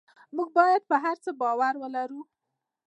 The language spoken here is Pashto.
موږ باید پر هغه باور ولرو.